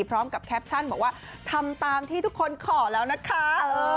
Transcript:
พร้อมกับแคปชั่นบอกว่าทำตามที่ทุกคนขอแล้วนะคะ